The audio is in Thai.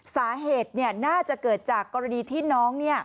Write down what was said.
สาเหตุน่าจะเกิดจากกรณีที่น้อง